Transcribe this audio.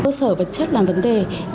cơ sở vật chất là vấn đề